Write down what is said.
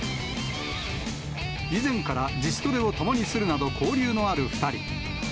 以前から自主トレを共にするなど、交流のある２人。